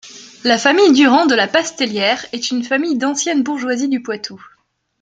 La famille Durant de la Pastellière est une famille d'ancienne bourgeoisie du Poitou.